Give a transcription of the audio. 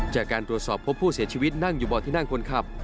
จากการตรวจสอบพบผู้เสียชีวิตนั่งอยู่บ่อที่นั่งคนขับ